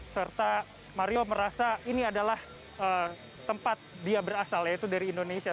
serta mario merasa ini adalah tempat dia berasal yaitu dari indonesia